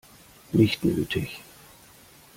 Nicht nötig.